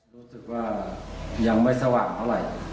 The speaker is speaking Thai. รู้สึกว่ายังไม่สว่างเท่าไหร่